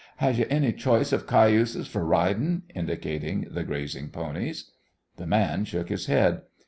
Has you any choice of cayuses for ridin'?" indicating the grazing ponies. The man shook his head.